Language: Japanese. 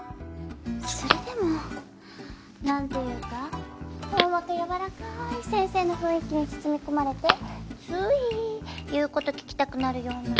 それでも何ていうかほんわかやわらかい先生の雰囲気に包み込まれてつい言うこと聞きたくなるような。